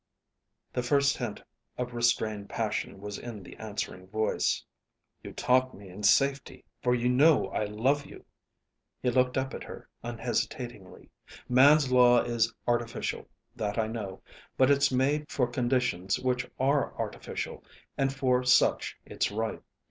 The first hint of restrained passion was in the answering voice. "You taunt me in safety, for you know I love you." He looked up at her unhesitatingly. "Man's law is artificial, that I know; but it's made for conditions which are artificial, and for such it's right.